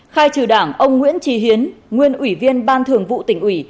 khai trừ đảng ông nguyễn trí hiến nguyên ủy viên ban thường vụ tỉnh ủy